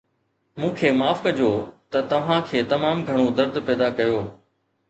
مون کي معاف ڪجو ته توهان کي تمام گهڻو درد پيدا ڪيو